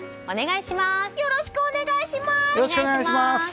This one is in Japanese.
お願いします。